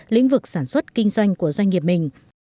lĩnh vực sản xuất kinh doanh của doanh nghiệp mình